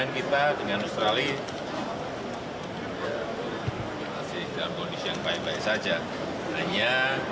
yang dilakukan tentara australia